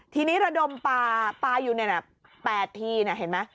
ทีนี้ระดมปลาปลาอยู่๘ทีเห็นไหม